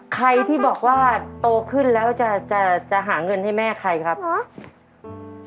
ใครที่บอกว่าโตขึ้นแล้วจะจะจะหาเงินให้แม่ใครครับเหรออืม